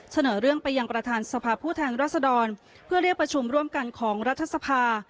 เสนอเรื่องไปยังประธานสภาพผู้แทนรัศดรเพื่อเรียกประชุมร่วมกันของรัฐสภา